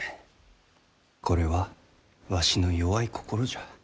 これはわしの弱い心じゃ。